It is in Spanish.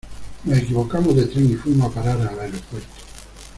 Nos equivocamos de tren y fuimos a parar al aeropuerto.